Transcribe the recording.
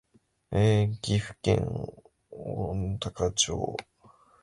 岐阜県御嵩町